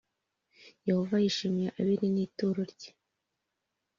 Yehova yishimiye Abeli nituro rye